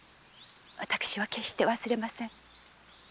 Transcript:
私は決して忘れません。